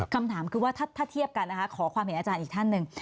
คำถามคือว่าถ้าเทียบกันนะคะขอความเห็นอาจารย์อีกท่านหนึ่ง